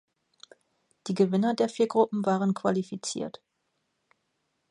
Die Gewinner der vier Gruppen waren qualifiziert.